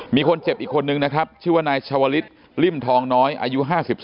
มีคนเจ็บอีกคนนึงนะครับชื่อว่านายชาวลิศริ่มทองน้อยอายุ๕๒